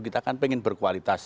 kita kan ingin berkualitas